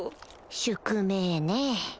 宿命ねぇ